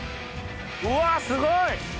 うわすごい！